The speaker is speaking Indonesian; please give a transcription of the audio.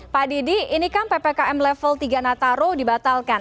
pak didi ini kan ppkm level tiga nataru dibatalkan